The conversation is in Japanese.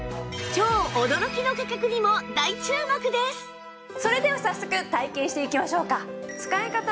さらにそれでは早速体験していきましょうか。